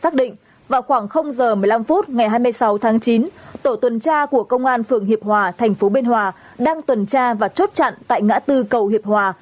trong tuần tra của công an phường hiệp hòa tp biên hòa đang tuần tra và chốt chặn tại ngã tư cầu hiệp hòa